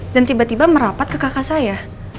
dan tiba tiba merapat ke kakak saya